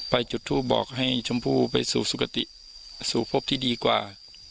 จุดทูปบอกให้ชมพู่ไปสู่สุขติสู่พบที่ดีกว่า